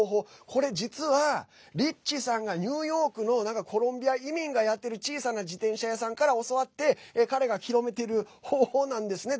これ実は、リッチさんがニューヨークのなんかコロンビア移民がやってる小さな自転車屋さんから教わって彼が広めている方法なんですね。